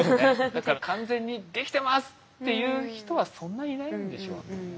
だから「完全にできてます！」っていう人はそんないないんでしょうね。